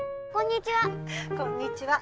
こんにちは。